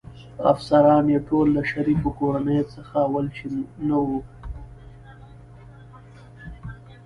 افسران يې ټول له شریفو کورنیو څخه ول، چې نه و.